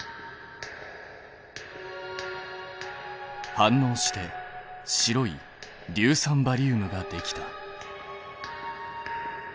反応して白い硫酸バリウムができた。